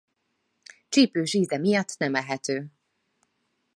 Csípős íze miatt nem ehető.